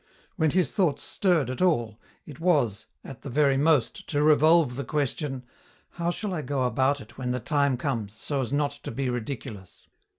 When his thoughts stirred at all it was, at the very most, to revolve the question, "How shall I go about it, when the time comes, so as not to be ridiculous?"